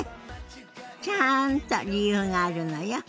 ちゃんと理由があるのよ。